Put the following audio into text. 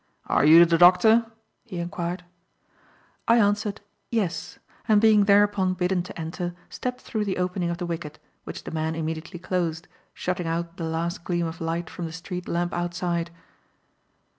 "Are you the doctor?" he inquired. I answered "Yes," and, being thereupon bidden to enter, stepped through the opening of the wicket, which the man immediately closed, shutting out the last gleam of light from the street lamp outside.